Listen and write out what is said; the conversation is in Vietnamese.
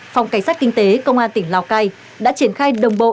phòng cảnh sát kinh tế công an tỉnh lào cai đã triển khai đồng bộ